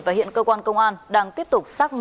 và hiện cơ quan công an đang tiếp tục xác minh làm rõ